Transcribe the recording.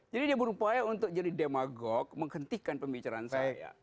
jadi dia berupaya untuk jadi demagog menghentikan pembicaraan saya